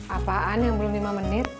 apaan yang belum lima menit